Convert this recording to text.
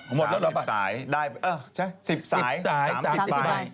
หมดแล้วหรือเปล่าสิบสายสามสิบใบ